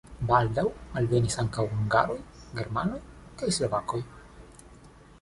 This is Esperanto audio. Baldaŭ alvenis ankaŭ hungaroj, germanoj kaj slovakoj.